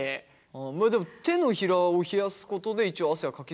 まあでも手のひらを冷やすことで一応汗はかきづらくなるってこと。